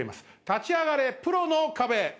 立ち上がれプロの壁。